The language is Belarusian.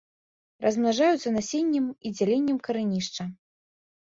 Размнажаюцца насеннем і дзяленнем карэнішча.